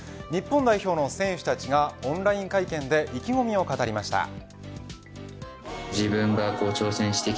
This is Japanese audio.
日本代表の選手たちがオンライン会見で意気込みを語りました。